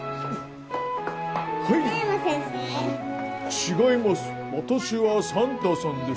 違います。